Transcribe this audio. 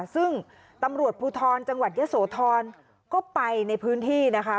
ซึ่งตำรวจภูทรจังหวัดเยอะโสธรก็ไปในพื้นที่นะคะ